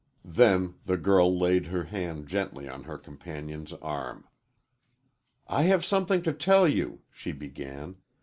Then the girl laid her hand gently on her companion's arm. "I have something to tell you," she began.